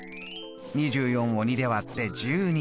２４を２で割って１２。